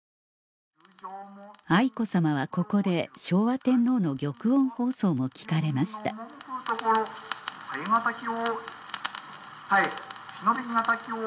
愛子さまはここで昭和天皇の玉音放送も聞かれました堪ヘ難キヲ堪へ